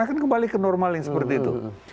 akan kembali ke normal yang seperti itu